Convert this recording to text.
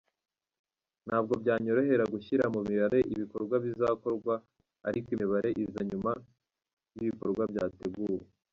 Ntabwo byanyorohera gushyira mu mibare ibikorwa bizakorwa ariko imibare iza nyuma y’ibikorwa byateguwe.